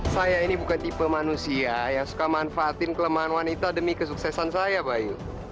saya ini bukan tipe manusia yang suka manfaatin kelemahan wanita demi kesuksesan saya bayu